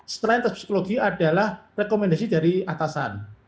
selain tes psikologi adalah rekomendasi dari atasan